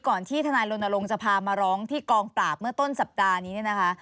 ที่ทนายรณรงค์จะพามาร้องที่กองปราบเมื่อต้นสัปดาห์นี้เนี่ยนะคะ